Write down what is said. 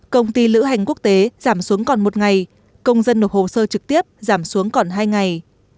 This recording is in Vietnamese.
công ty lữ hành quốc tế giảm xuống còn một ngày công dân nộp hồ sơ trực tiếp giảm xuống còn hai ngày